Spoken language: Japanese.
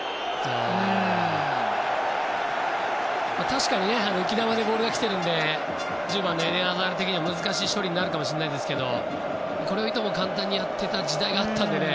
確かに、浮き球でボールが来ているので１０番のエデン・アザールは難しい処理になるかもしれないですけどこれをいとも簡単にやっていた時代があったのでね。